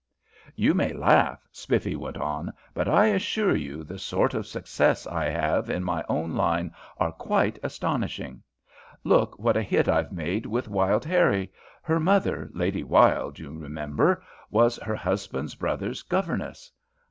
"You may laugh," Spiffy went on, "but I assure you the sort of successes I have in my own line are quite astonishing. Look what a hit I've made with Wild Harrie her mother, Lady Wylde, you remember, was her husband's brother's governess.